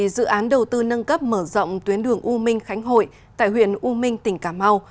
dự án đầu tư nâng cấp mở rộng tuyến đường u minh khánh hội tại huyện u minh tỉnh cà mau